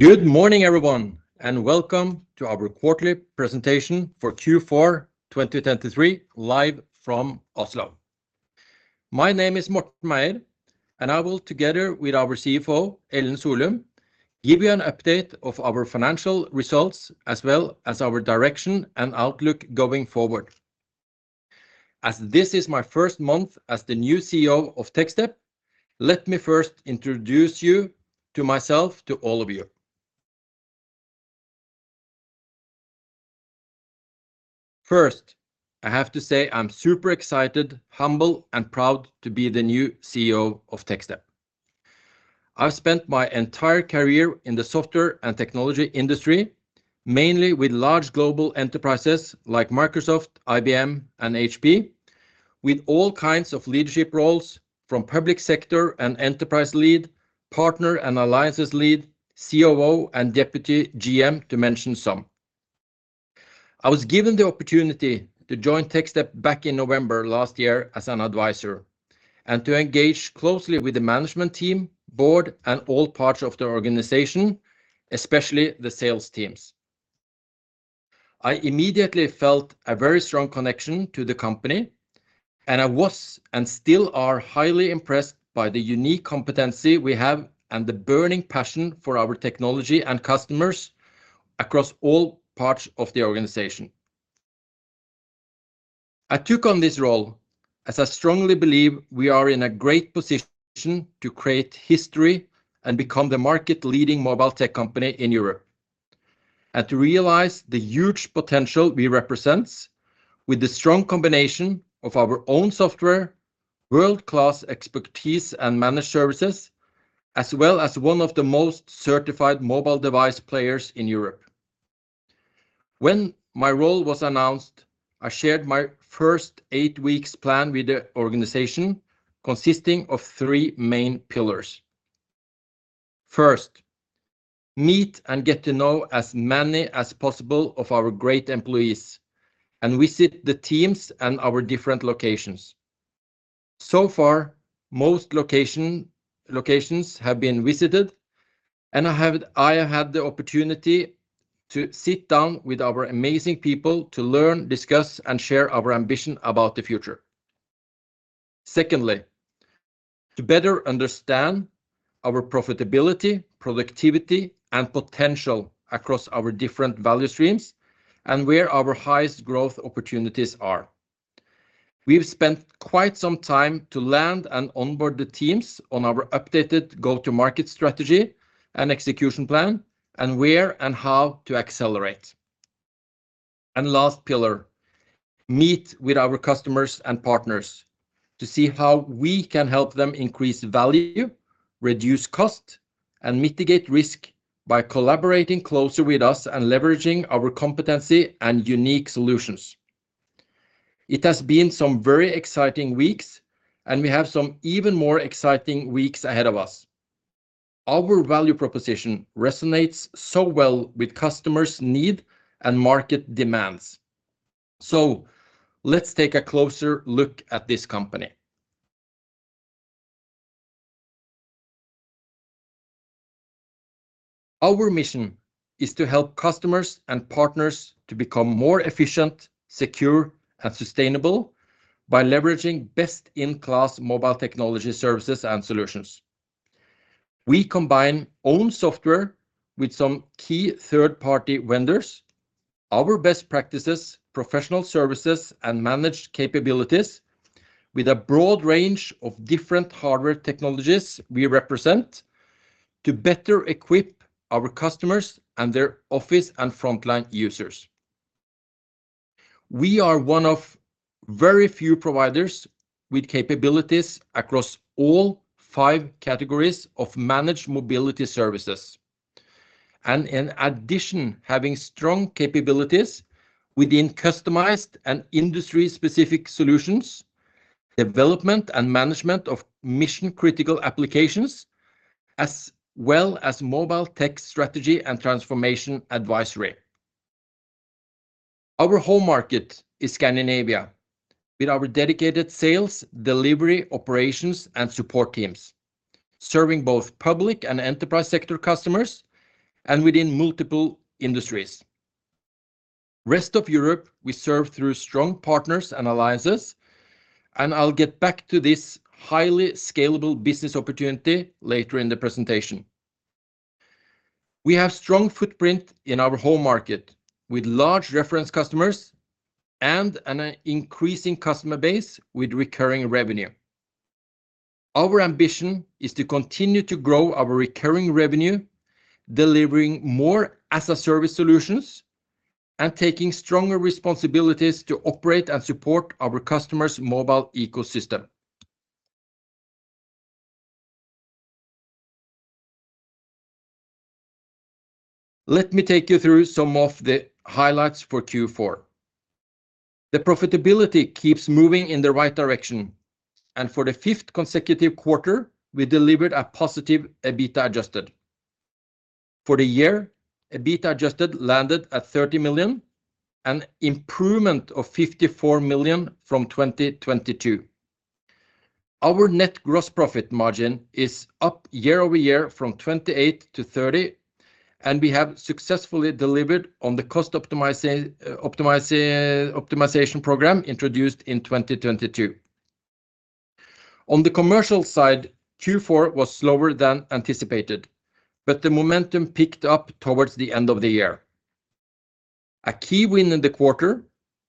Good morning, everyone, and welcome to our quarterly presentation for Q4 2023, live from Oslo. My name is Morten Meier, and I will, together with our CFO, Ellen Solum, give you an update of our financial results, as well as our direction and outlook going forward. As this is my first month as the new CEO of Techstep, let me first introduce you to myself, to all of you. First, I have to say I'm super excited, humble, and proud to be the new CEO of Techstep. I've spent my entire career in the software and technology industry, mainly with large global enterprises like Microsoft, IBM, and HP, with all kinds of leadership roles from public sector and enterprise lead, partner and alliances lead, COO, and Deputy GM, to mention some. I was given the opportunity to join Techstep back in November last year as an advisor, and to engage closely with the management team, board, and all parts of the organization, especially the sales teams. I immediately felt a very strong connection to the company, and I was, and still are, highly impressed by the unique competency we have and the burning passion for our technology and customers across all parts of the organization. I took on this role as I strongly believe we are in a great position to create history and become the market-leading mobile tech company in Europe, and to realize the huge potential we represents with the strong combination of our own software, world-class expertise and managed services, as well as one of the most certified mobile device players in Europe. When my role was announced, I shared my first eight weeks plan with the organization, consisting of three main pillars. First, meet and get to know as many as possible of our great employees, and visit the teams and our different locations. So far, most locations have been visited, and I had the opportunity to sit down with our amazing people to learn, discuss, and share our ambition about the future. Secondly, to better understand our profitability, productivity, and potential across our different value streams and where our highest growth opportunities are. We've spent quite some time to land and onboard the teams on our updated go-to-market strategy and execution plan, and where and how to accelerate. Last pillar, meet with our customers and partners to see how we can help them increase value, reduce cost, and mitigate risk by collaborating closer with us and leveraging our competency and unique solutions. It has been some very exciting weeks, and we have some even more exciting weeks ahead of us. Our value proposition resonates so well with customers' need and market demands. So let's take a closer look at this company. Our mission is to help customers and partners to become more efficient, secure, and sustainable by leveraging best-in-class mobile technology services and solutions. We combine own software with some key third-party vendors, our best practices, professional services, and managed capabilities with a broad range of different hardware technologies we represent, to better equip our customers and their office and frontline users. We are one of very few providers with capabilities across all five categories of managed mobility services, and in addition, having strong capabilities within customized and industry-specific solutions, development and management of mission-critical applications, as well as mobile tech strategy and transformation advisory. Our home market is Scandinavia, with our dedicated sales, delivery, operations, and support teams, serving both public and enterprise sector customers and within multiple industries. Rest of Europe, we serve through strong partners and alliances, and I'll get back to this highly scalable business opportunity later in the presentation. We have strong footprint in our home market, with large reference customers and an increasing customer base with recurring revenue. Our ambition is to continue to grow our recurring revenue, delivering more as-a-service solutions, and taking stronger responsibilities to operate and support our customers' mobile ecosystem. Let me take you through some of the highlights for Q4. The profitability keeps moving in the right direction, and for the fifth consecutive quarter, we delivered a positive EBITDA adjusted. For the year, EBITDA adjusted landed at 30 million, an improvement of 54 million from 2022. Our net gross profit margin is up year-over-year from 28% to 30%, and we have successfully delivered on the cost optimization program introduced in 2022. On the commercial side, Q4 was slower than anticipated, but the momentum picked up towards the end of the year. A key win in the quarter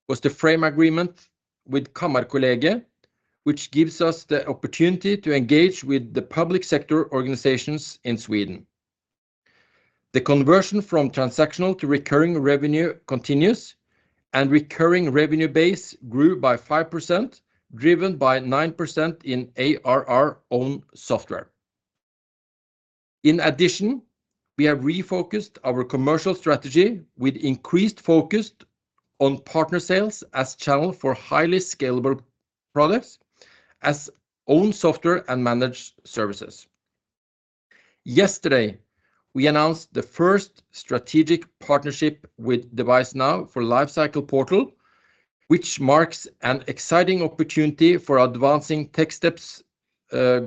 was the frame agreement with Kammarkollegiet, which gives us the opportunity to engage with the public sector organizations in Sweden. The conversion from transactional to recurring revenue continues, and recurring revenue base grew by 5%, driven by 9% in ARR owned software. In addition, we have refocused our commercial strategy with increased focus on partner sales as channel for highly scalable products, as own software and managed services. Yesterday, we announced the first strategic partnership with devicenow for Lifecycle Portal, which marks an exciting opportunity for advancing Techstep's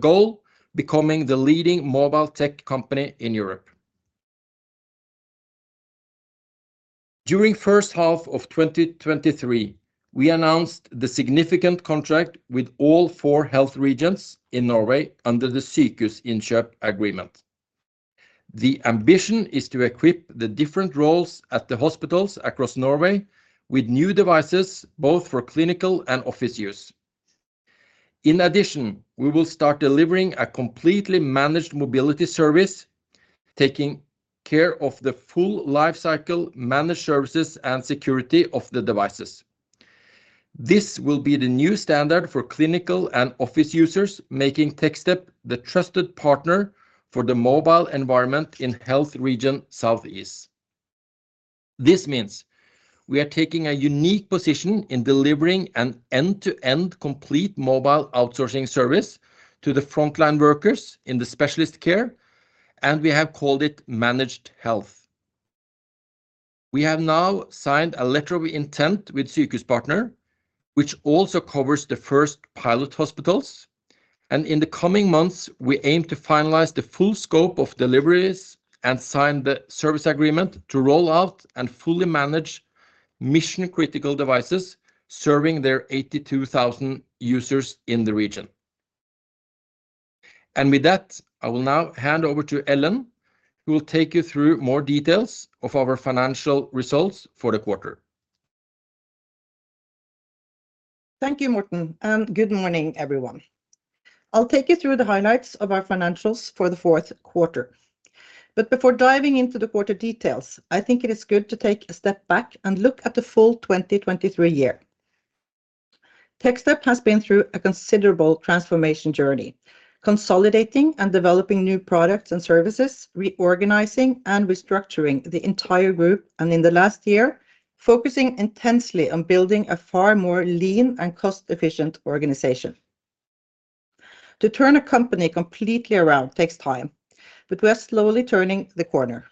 goal, becoming the leading mobile tech company in Europe. During first half of 2023, we announced the significant contract with all four health regions in Norway under the Sykehusinnkjøp agreement. The ambition is to equip the different roles at the hospitals across Norway with new devices, both for clinical and office use. In addition, we will start delivering a completely managed mobility service, taking care of the full lifecycle, managed services, and security of the devices. This will be the new standard for clinical and office users, making Techstep the trusted partner for the mobile environment in Health Region Southeast. This means we are taking a unique position in delivering an end-to-end complete mobile outsourcing service to the frontline workers in the specialist care, and we have called it Managed Health. We have now signed a letter of intent with Sykehuspartner, which also covers the first pilot hospitals, and in the coming months, we aim to finalize the full scope of deliveries and sign the service agreement to roll out and fully manage mission-critical devices serving their 82,000 users in the region. With that, I will now hand over to Ellen, who will take you through more details of our financial results for the quarter. Thank you, Morten, and good morning, everyone. I'll take you through the highlights of our financials for the fourth quarter. But before diving into the quarter details, I think it is good to take a step back and look at the full 2023 year. Techstep has been through a considerable transformation journey, consolidating and developing new products and services, reorganizing and restructuring the entire group, and in the last year, focusing intensely on building a far more lean and cost-efficient organization. To turn a company completely around takes time, but we are slowly turning the corner.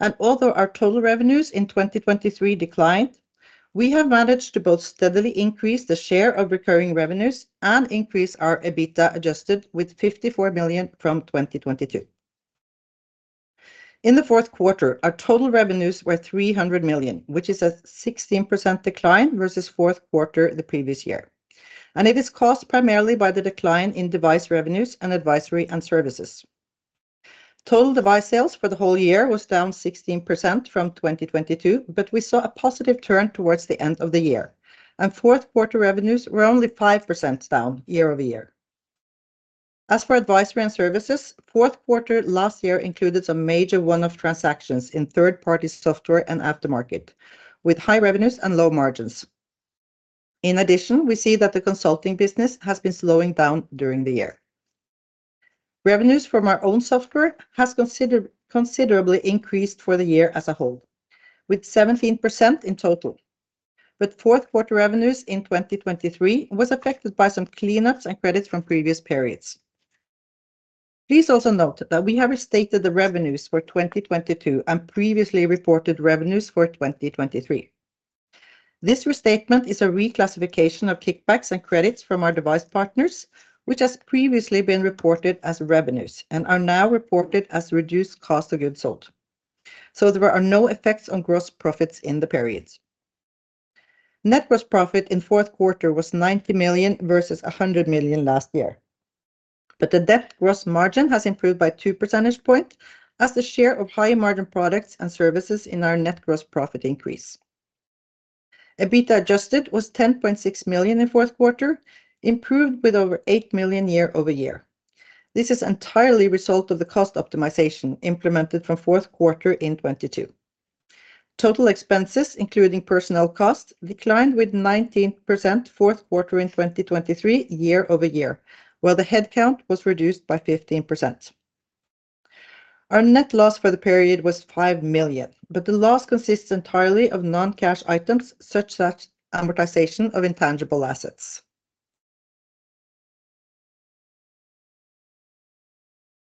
And although our total revenues in 2023 declined, we have managed to both steadily increase the share of recurring revenues and increase our EBITDA adjusted with 54 million from 2022. In the fourth quarter, our total revenues were 300 million, which is a 16% decline versus fourth quarter the previous year. It is caused primarily by the decline in device revenues and advisory and services. Total device sales for the whole year was down 16% from 2022, but we saw a positive turn towards the end of the year, and fourth quarter revenues were only 5% down year-over-year. As for advisory and services, fourth quarter last year included some major one-off transactions in third-party software and aftermarket, with high revenues and low margins. In addition, we see that the consulting business has been slowing down during the year. Revenues from our own software has considerably increased for the year as a whole, with 17% in total. But fourth quarter revenues in 2023 was affected by some cleanups and credits from previous periods. Please also note that we have restated the revenues for 2022 and previously reported revenues for 2023. This restatement is a reclassification of kickbacks and credits from our device partners, which has previously been reported as revenues and are now reported as reduced cost of goods sold. So there are no effects on gross profits in the periods. Net gross profit in fourth quarter was 90 million versus 100 million last year, but the debt gross margin has improved by two percentage points as the share of high-margin products and services in our net gross profit increase. EBITDA adjusted was 10.6 million in fourth quarter, improved with over 8 million year-over-year. This is entirely a result of the cost optimization implemented from fourth quarter in 2022. Total expenses, including personnel costs, declined with 19% fourth quarter in 2023 year-over-year, while the headcount was reduced by 15%. Our net loss for the period was 5 million, but the loss consists entirely of non-cash items, such that amortization of intangible assets....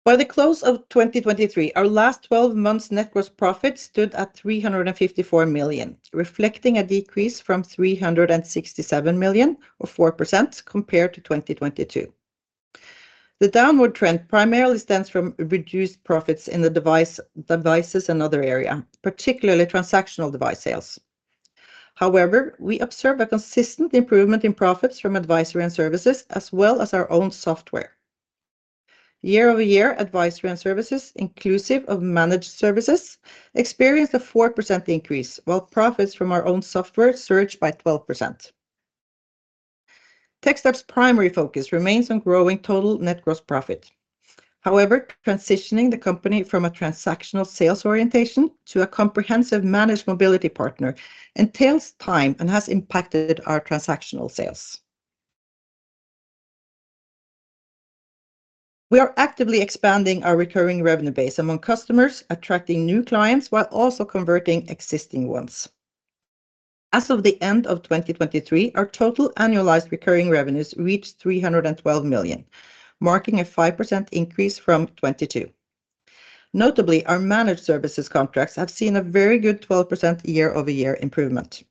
By the close of 2023, our last twelve months net gross profit stood at 354 million, reflecting a decrease from 367 million, or 4%, compared to 2022. The downward trend primarily stems from reduced profits in the device, devices and other area, particularly transactional device sales. However, we observe a consistent improvement in profits from advisory and services, as well as our own software. Year-over-year, advisory and services, inclusive of managed services, experienced a 4% increase, while profits from our own software surged by 12%. Techstep's primary focus remains on growing total net gross profit. However, transitioning the company from a transactional sales orientation to a comprehensive managed mobility partner entails time and has impacted our transactional sales. We are actively expanding our recurring revenue base among customers, attracting new clients while also converting existing ones. As of the end of 2023, our total annualized recurring revenues reached 312 million, marking a 5% increase from 2022. Notably, our managed services contracts have seen a very good 12% year-over-year improvement.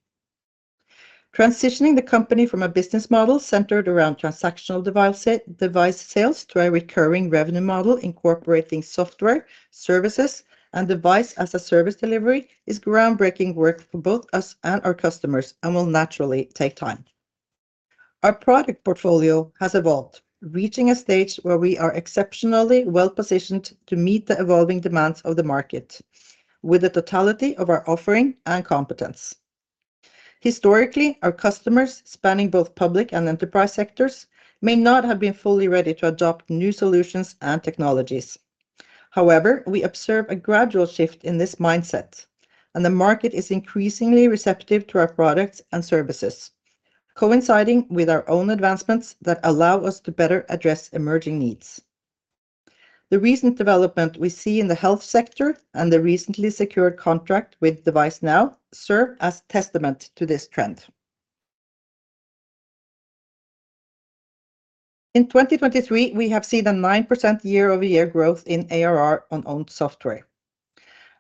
Transitioning the company from a business model centered around transactional device sales to a recurring revenue model incorporating software, services, and device-as-a-service delivery is groundbreaking work for both us and our customers and will naturally take time. Our product portfolio has evolved, reaching a stage where we are exceptionally well-positioned to meet the evolving demands of the market with the totality of our offering and competence. Historically, our customers, spanning both public and enterprise sectors, may not have been fully ready to adopt new solutions and technologies. However, we observe a gradual shift in this mindset, and the market is increasingly receptive to our products and services, coinciding with our own advancements that allow us to better address emerging needs. The recent development we see in the health sector and the recently secured contract with devicenow serve as testament to this trend. In 2023, we have seen a 9% year-over-year growth in ARR on owned software.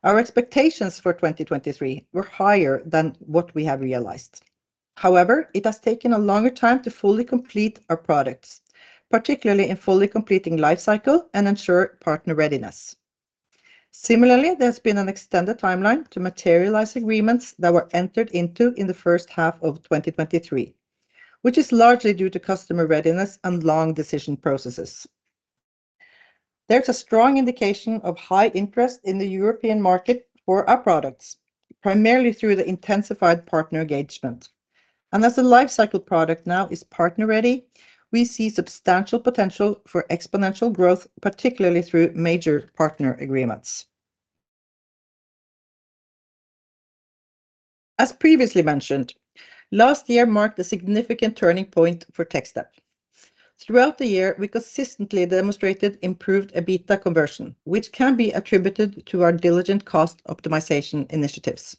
Our expectations for 2023 were higher than what we have realized. However, it has taken a longer time to fully complete our products, particularly in fully completing life cycle and ensure partner readiness. Similarly, there's been an extended timeline to materialize agreements that were entered into in the first half of 2023, which is largely due to customer readiness and long decision processes. There's a strong indication of high interest in the European market for our products, primarily through the intensified partner engagement. And as the life cycle product now is partner ready, we see substantial potential for exponential growth, particularly through major partner agreements. As previously mentioned, last year marked a significant turning point for Techstep. Throughout the year, we consistently demonstrated improved EBITDA conversion, which can be attributed to our diligent cost optimization initiatives.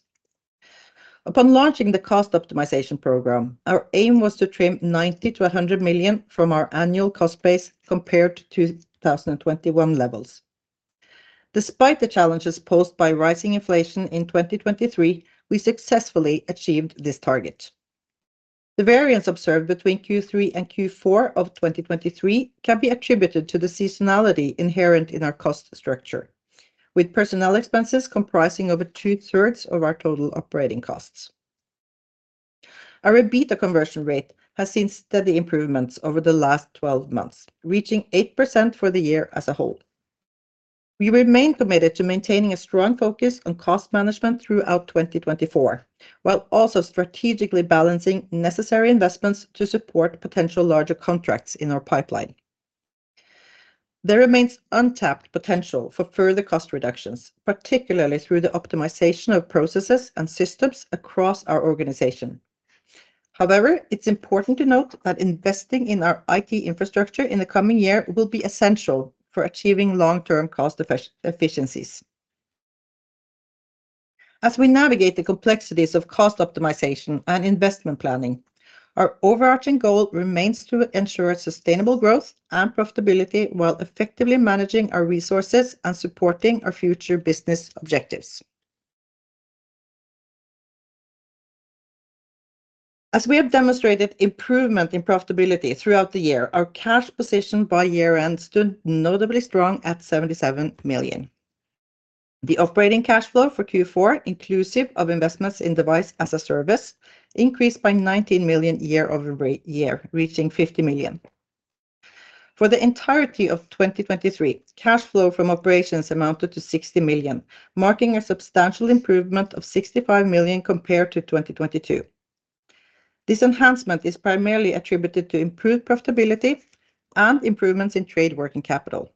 Upon launching the cost optimization program, our aim was to trim 90-100 million from our annual cost base compared to 2021 levels. Despite the challenges posed by rising inflation in 2023, we successfully achieved this target. The variance observed between Q3 and Q4 of 2023 can be attributed to the seasonality inherent in our cost structure, with personnel expenses comprising over two-thirds of our total operating costs. Our EBITDA conversion rate has seen steady improvements over the last 12 months, reaching 8% for the year as a whole. We remain committed to maintaining a strong focus on cost management throughout 2024, while also strategically balancing necessary investments to support potential larger contracts in our pipeline. There remains untapped potential for further cost reductions, particularly through the optimization of processes and systems across our organization. However, it's important to note that investing in our IT infrastructure in the coming year will be essential for achieving long-term cost efficiencies. As we navigate the complexities of cost optimization and investment planning, our overarching goal remains to ensure sustainable growth and profitability while effectively managing our resources and supporting our future business objectives. As we have demonstrated improvement in profitability throughout the year, our cash position by year-end stood notably strong at 77 million. The operating cash flow for Q4, inclusive of investments in Device-as-a-Service, increased by 19 million year over year, reaching 50 million. For the entirety of 2023, cash flow from operations amounted to 60 million, marking a substantial improvement of 65 million compared to 2022. This enhancement is primarily attributed to improved profitability and improvements in trade working capital.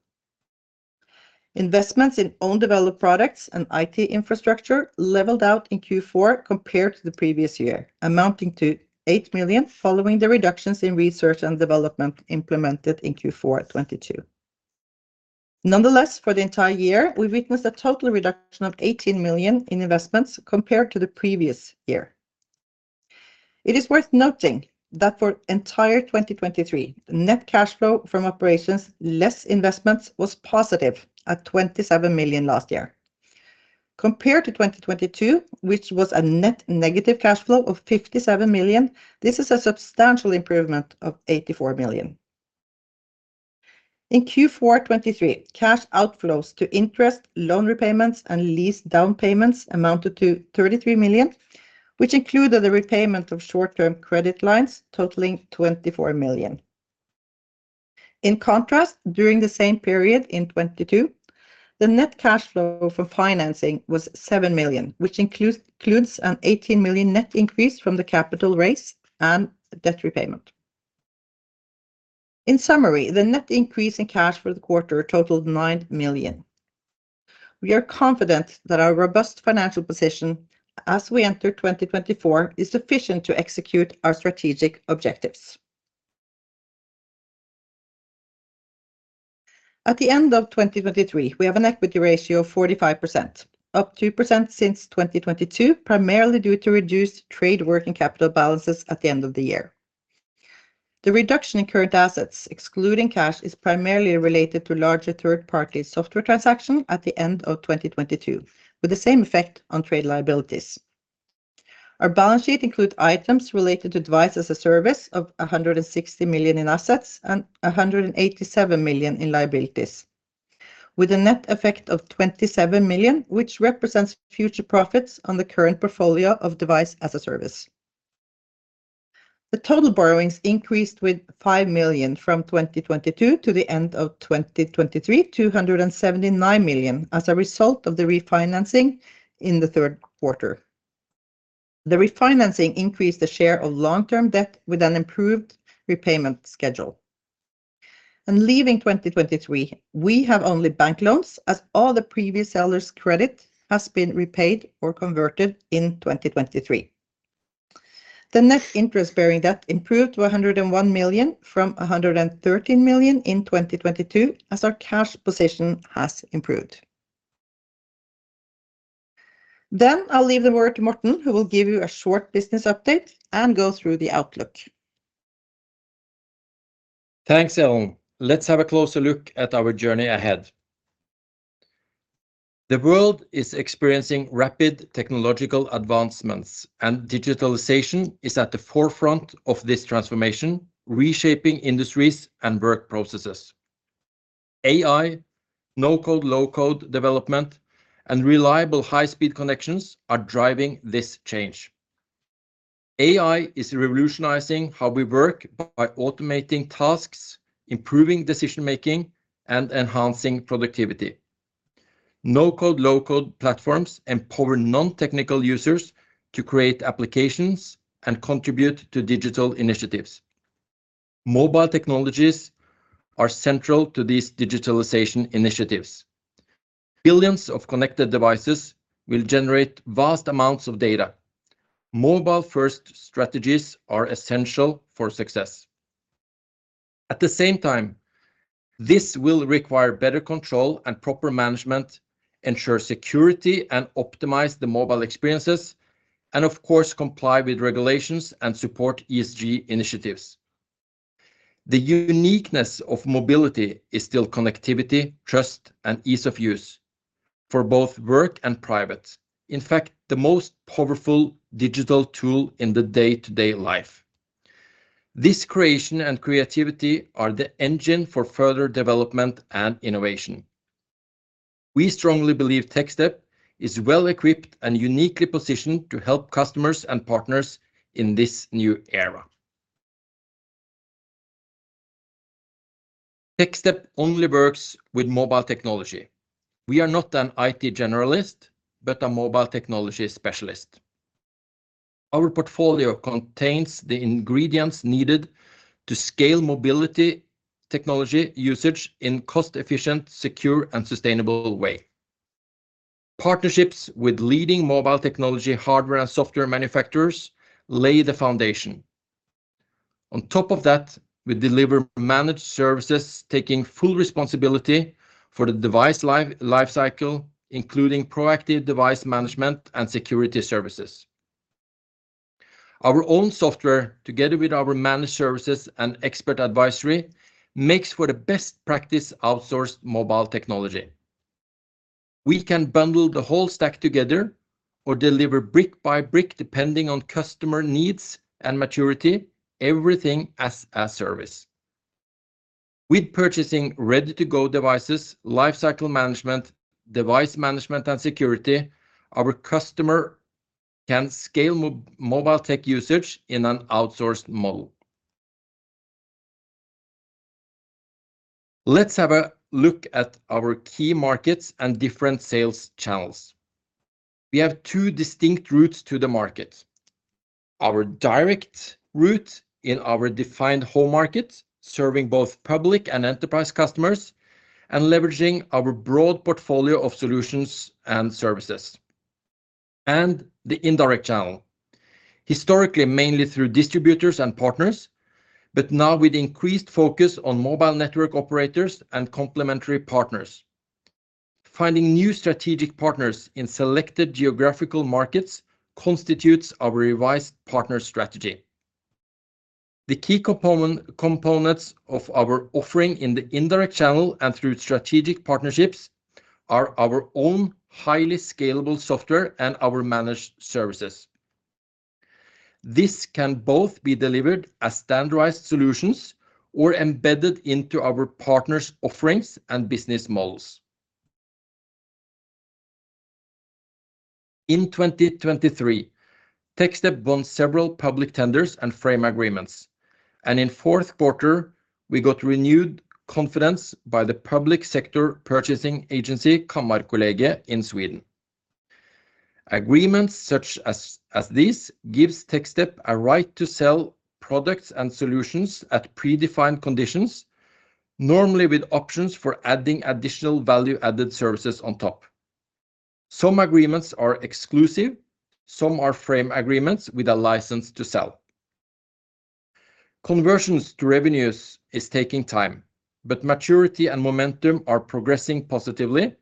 Investments in own developed products and IT infrastructure leveled out in Q4 2022 compared to the previous year, amounting to 8 million following the reductions in research and development implemented in Q4 2022. Nonetheless, for the entire year, we've witnessed a total reduction of 18 million in investments compared to the previous year. It is worth noting that for the entire 2023, net cash flow from operations, less investments, was positive at 27 million last year. Compared to 2022, which was a net negative cash flow of 57 million, this is a substantial improvement of 84 million. In Q4 2023, cash outflows to interest, loan repayments, and lease down payments amounted to 33 million, which included the repayment of short-term credit lines totaling 24 million. In contrast, during the same period in 2022, the net cash flow for financing was 7 million, which includes an 18 million net increase from the capital raise and debt repayment. In summary, the net increase in cash for the quarter totaled 9 million. We are confident that our robust financial position as we enter 2024, is sufficient to execute our strategic objectives. At the end of 2023, we have an equity ratio of 45%, up 2% since 2022, primarily due to reduced trade working capital balances at the end of the year. The reduction in current assets, excluding cash, is primarily related to larger third-party software transaction at the end of 2022, with the same effect on trade liabilities. Our balance sheet includes items related to Device as a Service of 160 million in assets and 187 million in liabilities, with a net effect of 27 million, which represents future profits on the current portfolio of Device as a Service. The total borrowings increased with 5 million from 2022 to the end of 2023 to 279 million, as a result of the refinancing in the third quarter. The refinancing increased the share of long-term debt with an improved repayment schedule. And leaving 2023, we have only bank loans, as all the previous sellers' credit has been repaid or converted in 2023. The net interest-bearing debt improved to 101 million from 113 million in 2022, as our cash position has improved. I'll leave the word to Morten, who will give you a short business update and go through the outlook. Thanks, Ellen. Let's have a closer look at our journey ahead. The world is experiencing rapid technological advancements, and digitalization is at the forefront of this transformation, reshaping industries and work processes. AI, no-code, low-code development, and reliable high-speed connections are driving this change. AI is revolutionizing how we work by automating tasks, improving decision-making, and enhancing productivity. No-code, low-code platforms empower non-technical users to create applications and contribute to digital initiatives. Mobile technologies are central to these digitalization initiatives. Billions of connected devices will generate vast amounts of data. Mobile-first strategies are essential for success. At the same time, this will require better control and proper management, ensure security and optimize the mobile experiences, and of course, comply with regulations and support ESG initiatives. The uniqueness of mobility is still connectivity, trust, and ease of use for both work and private. In fact, the most powerful digital tool in the day-to-day life. This creation and creativity are the engine for further development and innovation. We strongly believe Techstep is well-equipped and uniquely positioned to help customers and partners in this new era. Techstep only works with mobile technology. We are not an IT generalist, but a mobile technology specialist. Our portfolio contains the ingredients needed to scale mobility technology usage in cost efficient, secure, and sustainable way. Partnerships with leading mobile technology, hardware, and software manufacturers lay the foundation. On top of that, we deliver managed services, taking full responsibility for the device life, lifecycle, including proactive device management and security services. Our own software, together with our managed services and expert advisory, makes for the best practice outsourced mobile technology. We can bundle the whole stack together or deliver brick by brick, depending on customer needs and maturity, everything as a service. With purchasing ready-to-go devices, lifecycle management, device management and security, our customer can scale mobile tech usage in an outsourced model. Let's have a look at our key markets and different sales channels. We have two distinct routes to the market. Our direct route in our defined home market, serving both public and enterprise customers, and leveraging our broad portfolio of solutions and services. And the indirect channel, historically, mainly through distributors and partners, but now with increased focus on mobile network operators and complementary partners. Finding new strategic partners in selected geographical markets constitutes our revised partner strategy. The key component, components of our offering in the indirect channel and through strategic partnerships are our own highly scalable software and our managed services. This can both be delivered as standardized solutions or embedded into our partners' offerings and business models. In 2023, Techstep won several public tenders and frame agreements, and in fourth quarter, we got renewed confidence by the public sector purchasing agency, Kammarkollegiet, in Sweden. Agreements such as this gives Techstep a right to sell products and solutions at predefined conditions, normally with options for adding additional value-added services on top. Some agreements are exclusive, some are frame agreements with a license to sell. Conversions to revenues is taking time, but maturity and momentum are progressing positively,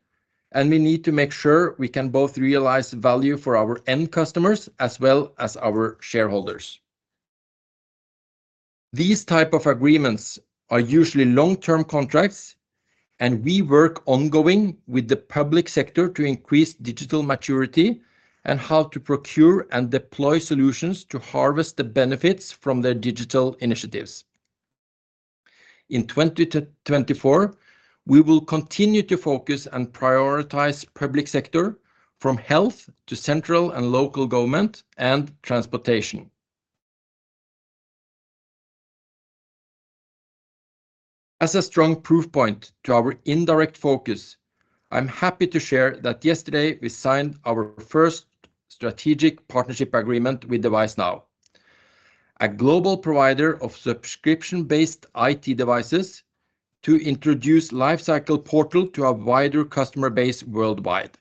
and we need to make sure we can both realize value for our end customers as well as our shareholders. These type of agreements are usually long-term contracts, and we work ongoing with the public sector to increase digital maturity and how to procure and deploy solutions to harvest the benefits from their digital initiatives. In 2024, we will continue to focus and prioritize public sector, from health to central and local government, and transportation. As a strong proof point to our indirect focus, I'm happy to share that yesterday we signed our first strategic partnership agreement with devicenow, a global provider of subscription-based IT devices, to introduce Lifecycle Portal to a wider customer base worldwide.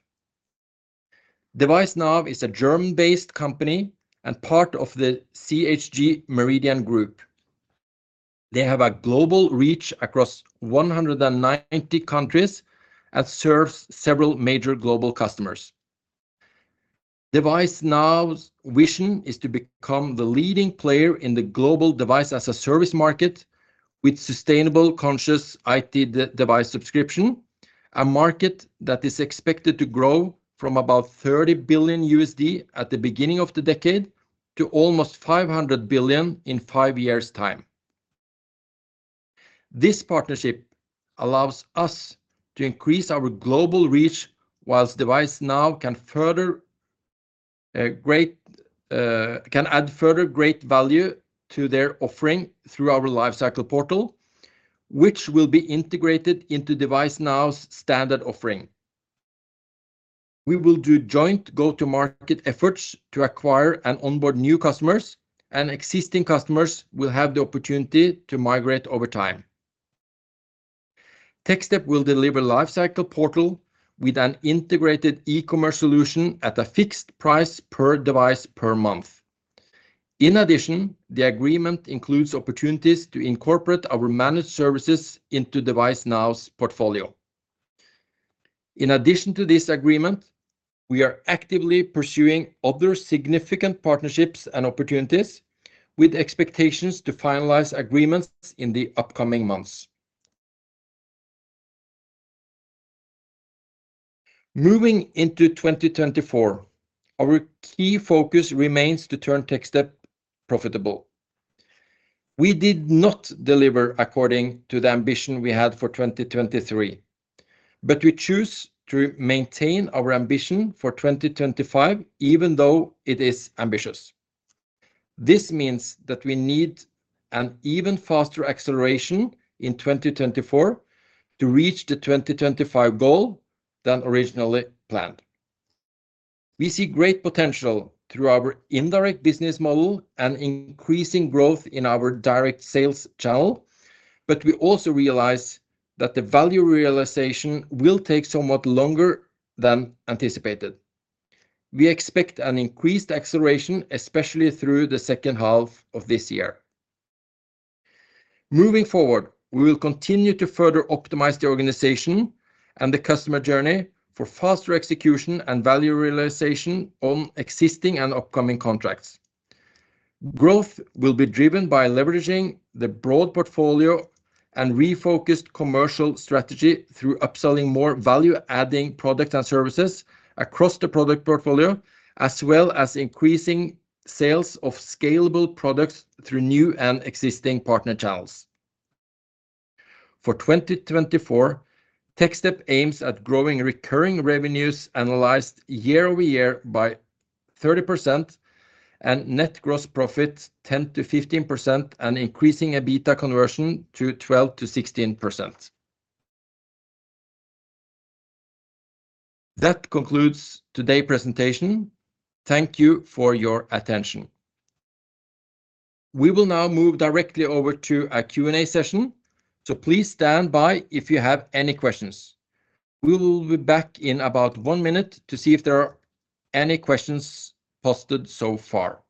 devicenow is a German-based company and part of the CHG-MERIDIAN Group. They have a global reach across 190 countries and serves several major global customers. devicenow's vision is to become the leading player in the global device-as-a-service market with sustainable conscious IT device subscription, a market that is expected to grow from about $30 billion at the beginning of the decade to almost $500 billion in 5 years' time. This partnership allows us to increase our global reach, while devicenow can add further great value to their offering through our Lifecycle Portal, which will be integrated into devicenow's standard offering. We will do joint go-to-market efforts to acquire and onboard new customers, and existing customers will have the opportunity to migrate over time. Techstep will deliver Lifecycle Portal with an integrated e-commerce solution at a fixed price per device per month. In addition, the agreement includes opportunities to incorporate our managed services into devicenow's portfolio. In addition to this agreement, we are actively pursuing other significant partnerships and opportunities, with expectations to finalize agreements in the upcoming months. Moving into 2024, our key focus remains to turn Techstep profitable. We did not deliver according to the ambition we had for 2023, but we choose to maintain our ambition for 2025, even though it is ambitious. This means that we need an even faster acceleration in 2024 to reach the 2025 goal than originally planned. We see great potential through our indirect business model and increasing growth in our direct sales channel, but we also realize that the value realization will take somewhat longer than anticipated. We expect an increased acceleration, especially through the second half of this year. Moving forward, we will continue to further optimize the organization and the customer journey for faster execution and value realization on existing and upcoming contracts. Growth will be driven by leveraging the broad portfolio and refocused commercial strategy through upselling more value-adding products and services across the product portfolio, as well as increasing sales of scalable products through new and existing partner channels. For 2024, Techstep aims at growing recurring revenues analyzed year over year by 30% and net gross profit 10% to 15% and increasing EBITDA conversion to 12% to 16%. That concludes today's presentation. Thank you for your attention. We will now move directly over to a Q&A session, so please stand by if you have any questions. We will be back in about one minute to see if there are any questions posted so far.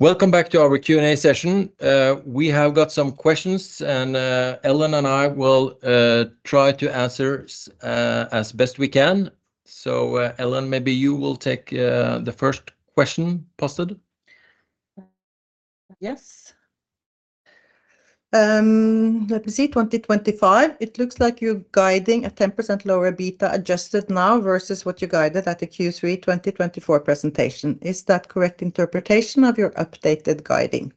Welcome back to our Q&A session. We have got some questions, and Ellen and I will try to answer as best we can. So, Ellen, maybe you will take the first question posted. Yes. Let me see, 2025, it looks like you're guiding a 10% lower EBITDA adjusted now versus what you guided at the Q3 2024 presentation. Is that correct interpretation of your updated guiding?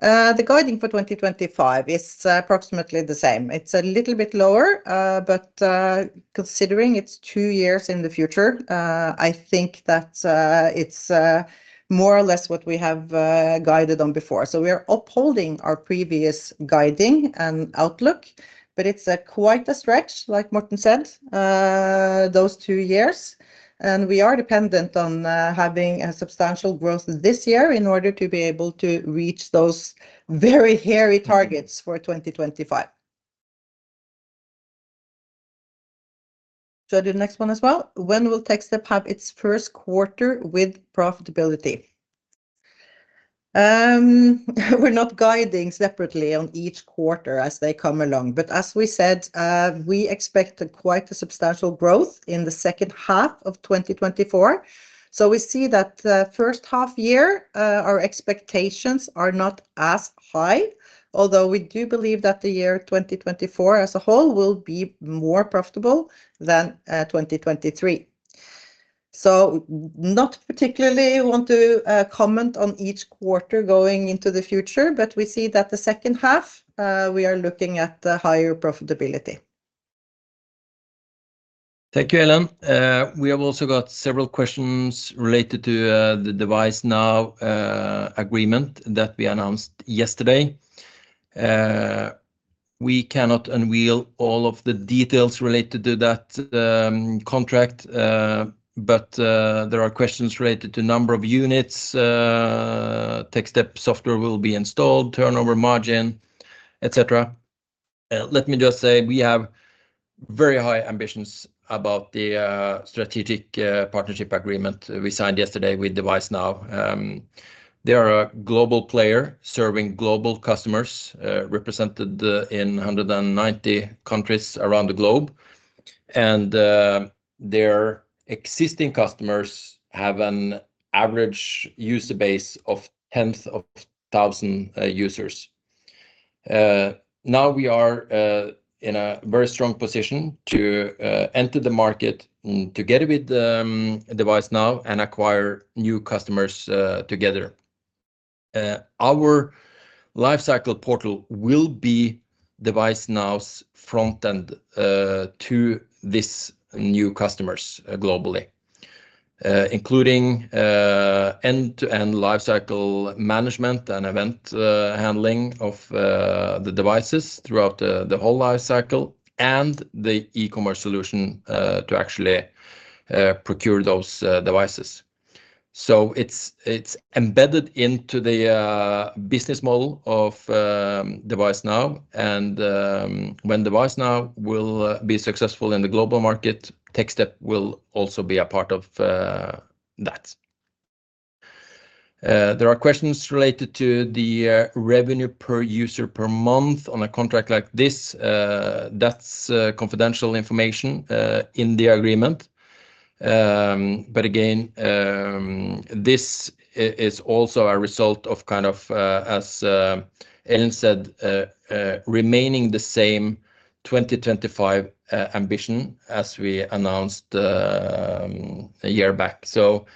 The guiding for 2025 is approximately the same. It's a little bit lower, but considering it's two years in the future, I think that it's more or less what we have guided on before. So we are upholding our previous guiding and outlook, but it's quite a stretch, like Morten said, those two years, and we are dependent on having a substantial growth this year in order to be able to reach those very hairy targets for 2025. Should I do the next one as well? When will Techstep have its first quarter with profitability? We're not guiding separately on each quarter as they come along, but as we said, we expect quite a substantial growth in the second half of 2024. So we see that the first half year, our expectations are not as high, although we do believe that the year 2024 as a whole will be more profitable than 2023. So not particularly want to comment on each quarter going into the future, but we see that the second half, we are looking at higher profitability. Thank you, Ellen. We have also got several questions related to the devicenow agreement that we announced yesterday. We cannot unveil all of the details related to that contract, but there are questions related to number of units Techstep software will be installed, turnover margin, et cetera. Let me just say, we have very high ambitions about the strategic partnership agreement we signed yesterday with devicenow. They are a global player, serving global customers, represented in 190 countries around the globe. And their existing customers have an average user base of tens of thousands of users. Now we are in a very strong position to enter the market together with devicenow and acquire new customers together. Our Lifecycle Portal will be devicenow's front end to this new customers globally. Including end-to-end lifecycle management and event handling of the devices throughout the whole lifecycle and the e-commerce solution to actually procure those devices. So it's embedded into the business model of devicenow. When devicenow will be successful in the global market, Techstep will also be a part of that. There are questions related to the revenue per user per month on a contract like this. That's confidential information in the agreement. But again, this is also a result of kind of, as Ellen said, remaining the same 2025 ambition as we announced a year back. So,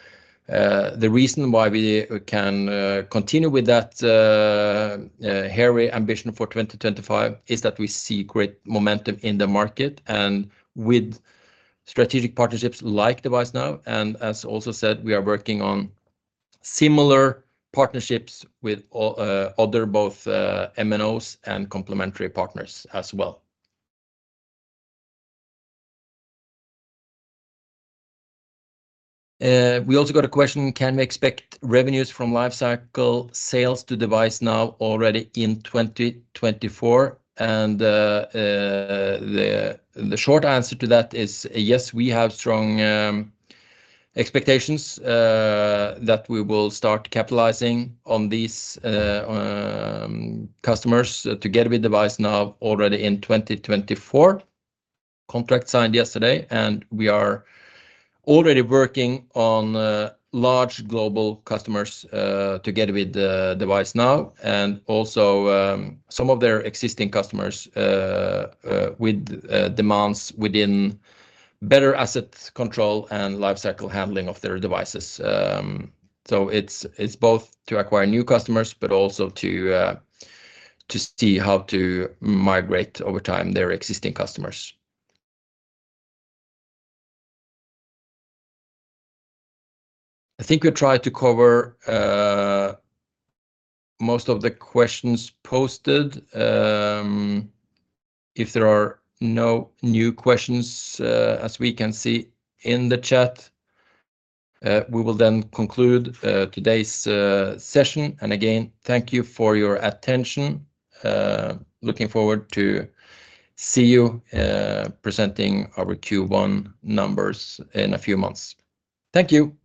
the reason why we can continue with that hairy ambition for 2025 is that we see great momentum in the market and with strategic partnerships like devicenow. As also said, we are working on similar partnerships with all other both MNOs and complementary partners as well. We also got a question: can we expect revenues from lifecycle sales to devicenow already in 2024? The short answer to that is yes, we have strong expectations that we will start capitalizing on these customers together with devicenow already in 2024. Contract signed yesterday, and we are already working on large global customers together with devicenow, and also some of their existing customers with demands within better asset control and lifecycle handling of their devices. So it's both to acquire new customers, but also to see how to migrate over time their existing customers. I think we tried to cover most of the questions posted. If there are no new questions, as we can see in the chat, we will then conclude today's session. And again, thank you for your attention. Looking forward to see you presenting our Q1 numbers in a few months. Thank you!